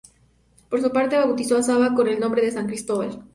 Por su parte, bautizó a Saba con el nombre de San Cristóbal.